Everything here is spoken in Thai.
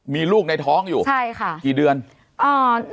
มีลูกในท้องอยู่กี่เดือนใช่ค่ะ